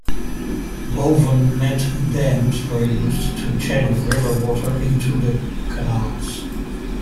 Woven mat dams were used to channel river water into the canals.